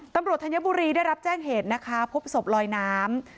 ธัญบุรีได้รับแจ้งเหตุนะคะพบศพลอยน้ำ